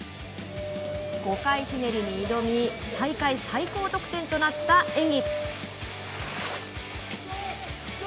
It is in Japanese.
５回ひねりに挑み大会最高得点となった演技。